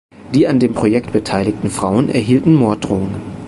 Die an dem Projekt beteiligten Frauen erhielten Morddrohungen.